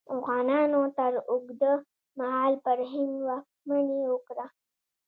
افغانانو تر اوږده مهال پر هند واکمني وکړه.